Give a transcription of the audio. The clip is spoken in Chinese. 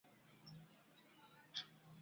县莅位于东兴市镇。